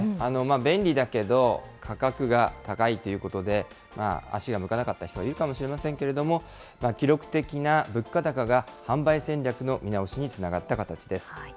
便利だけど、価格が高いということで、足が向かなかった人がいるかもしれませんけれども、記録的な物価高が販売戦略の見直しにつながった形です。